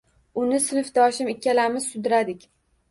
Uni sinfdoshim ikkalamiz sudradik.